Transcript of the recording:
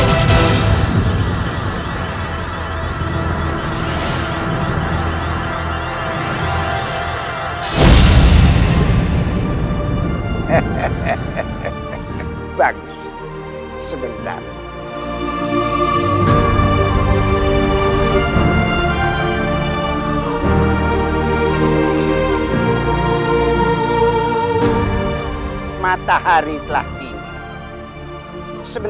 lalu baik l enthusiasm